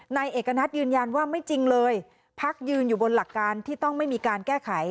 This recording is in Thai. นายเอกณัฐยืนยันว่าไม่จริงเลยพักยืนอยู่บนหลักการที่ต้องไม่มีการแก้ไข